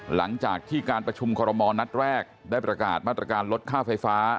หลังจากที่การประชุมคอรมณ์นัดแรกได้ประกาศมาตรการลดค่าไฟฟ้า